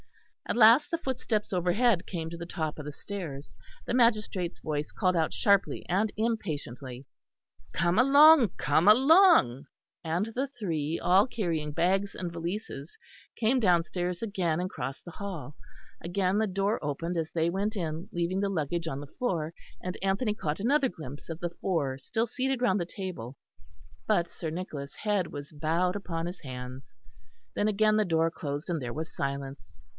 At last the footsteps overhead came to the top of the stairs. The magistrate's voice called out sharply and impatiently: "Come along, come along"; and the three, all carrying bags and valises came downstairs again and crossed the hall. Again the door opened as they went in, leaving the luggage on the floor; and Anthony caught another glimpse of the four still seated round the table; but Sir Nicholas' head was bowed upon his hands. Then again the door closed; and there was silence.